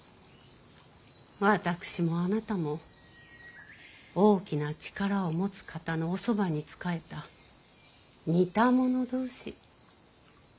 私もあなたも大きな力を持つ方のおそばに仕えた似た者同士。